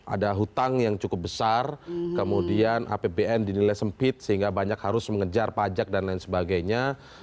ada hutang yang cukup besar kemudian apbn dinilai sempit sehingga banyak harus mengejar pajak dan lain sebagainya